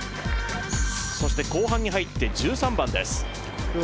後半に入って１３番です。